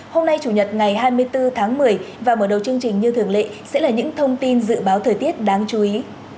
hôm nay chủ nhật ngày hai mươi bốn tháng một mươi và mở đầu chương trình như thường lệ sẽ là những thông tin dự báo thời tiết đáng chú ý